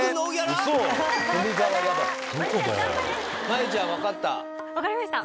真由ちゃん分かった？